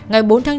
với bản thân